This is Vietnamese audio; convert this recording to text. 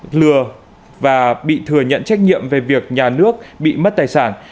lừa và bị thừa nhận trách nhiệm về việc nhà nước bị mất tài sản